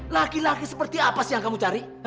laki laki seperti apa sih yang kamu cari